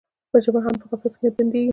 ژبه هم په قفس کې نه بندیږي.